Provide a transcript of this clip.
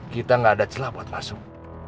kita nggak ada celah buat masuk